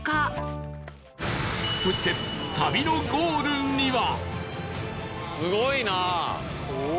そして旅のゴールには